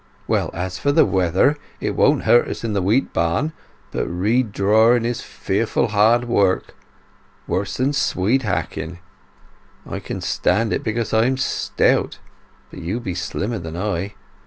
Well, as for the weather, it won't hurt us in the wheat barn; but reed drawing is fearful hard work—worse than swede hacking. I can stand it because I'm stout; but you be slimmer than I.